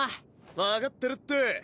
分かってるって。